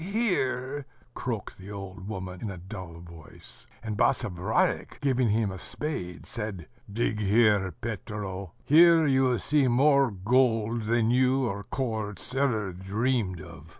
"Here!" croaked the old woman, in a dull voice: and Basavriuk, giving him a spade, said: "Dig here, Petro: here you will see more gold than you or Korzh ever dreamed of."